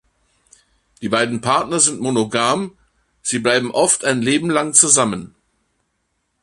Die beiden Partner sind monogam, sie bleiben oft ein Leben lang zusammen.